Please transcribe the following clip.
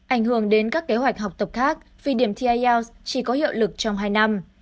ảnh hưởng đến các kế hoạch học tập khác vì điểm thi ielts chỉ có hiệu lực trong hai năm